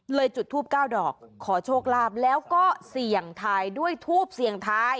จุดทูปเก้าดอกขอโชคลาภแล้วก็เสี่ยงทายด้วยทูบเสี่ยงทาย